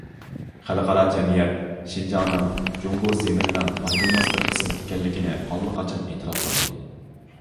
خەلقئارا جەمئىيەت شىنجاڭنىڭ جۇڭگو زېمىنىنىڭ ئايرىلماس بىر قىسمى ئىكەنلىكىنى ئاللىقاچان ئېتىراپ قىلدى.